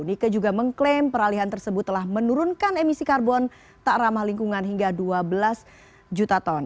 nike juga mengklaim peralihan tersebut telah menurunkan emisi karbon tak ramah lingkungan hingga dua belas juta ton